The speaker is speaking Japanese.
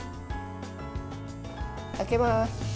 開けます。